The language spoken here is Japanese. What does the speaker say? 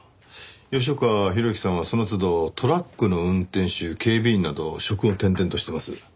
吉岡博幸さんはその都度トラックの運転手警備員など職を転々としてます。